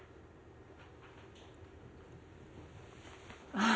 ああ。